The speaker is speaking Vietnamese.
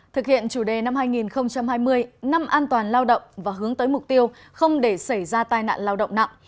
thực hiện chủ đề năm hai nghìn hai mươi năm an toàn lao động và hướng tới mục tiêu không để xảy ra tai nạn lao động nặng